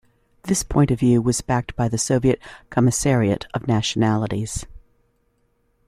This point of view was backed by the Soviet Commissariat of Nationalities.